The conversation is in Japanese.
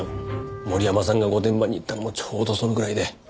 森山さんが御殿場に行ったのもちょうどそのぐらいで。